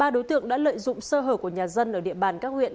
ba đối tượng đã lợi dụng sơ hở của nhà dân ở địa bàn các huyện